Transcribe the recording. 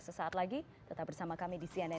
sesaat lagi tetap bersama kami di cnn indonesia